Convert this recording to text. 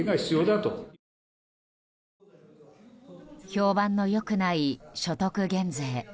評判の良くない所得減税。